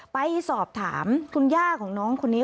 ไปสอบถามคุณย่าของน้องคนนี้